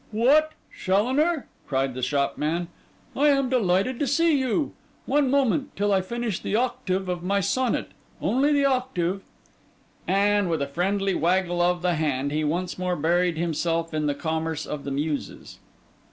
'What? Challoner!' cried the shopman. 'I am delighted to see you. One moment, till I finish the octave of my sonnet: only the octave.' And with a friendly waggle of the hand, he once more buried himself in the commerce of the Muses.